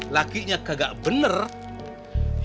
lakinya kagak beneran